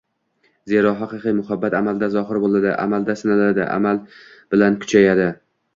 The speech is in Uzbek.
Zero, haqiqiy muhabbat amalda zohir bo‘ladi, amalda sinaladi, amal bilan kuchayadi